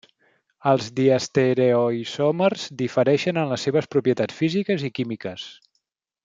Els diastereoisòmers difereixen en les seves propietats físiques i químiques.